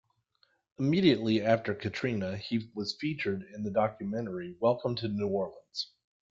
Immediately after Katrina, he was featured in the documentary "Welcome to New Orleans".